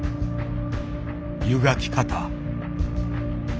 湯がき方。